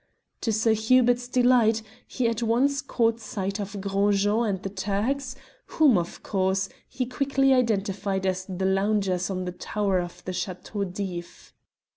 To Sir Hubert's delight, he at once caught sight of Gros Jean and the Turks, whom, of course, he quickly identified as the loungers on the tower of the Chateau d'If.